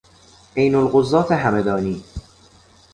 عینالقضات همدانی